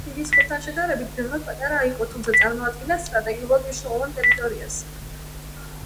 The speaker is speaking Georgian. იგი სხვებთან შედარებით ბევრად პატარა იყო, თუმცა წარმოადგენდა სტრატეგიულად მნიშვნელოვან ტერიტორიას.